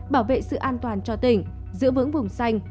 bảo vệ sự an toàn cho tỉnh giữ vững vùng xanh